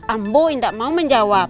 ambo indah mau menjawab